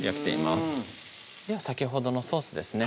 うんでは先ほどのソースですね